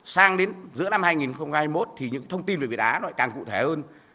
sang đến giữa năm hai nghìn hai mươi một thì những thông tin về việt á nó lại càng cụ thể hơn